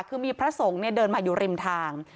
คือมีพระสงฆ์เดินมาอยู่ริมทาง